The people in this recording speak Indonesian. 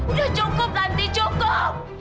udah cukup tanti cukup